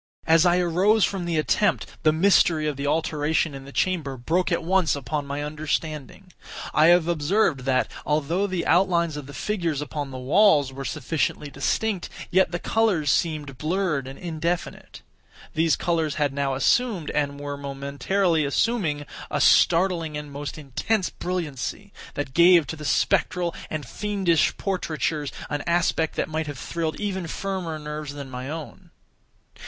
As I arose from the attempt, the mystery of the alteration in the chamber broke at once upon my understanding. I have observed that, although the outlines of the figures upon the walls were sufficiently distinct, yet the colors seemed blurred and indefinite. These colors had now assumed, and were momentarily assuming, a startling and most intense brilliancy, that gave to the spectral and fiendish portraitures an aspect that might have thrilled even firmer nerves than my own.